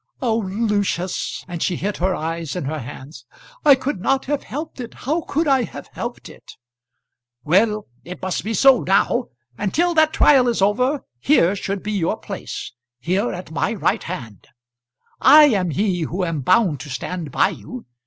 "Oh, Lucius!" and she hid her eyes in her hands. "I could not have helped it. How could I have helped it?" "Well; it must be so now. And till that trial is over, here should be your place. Here, at my right hand; I am he who am bound to stand by you.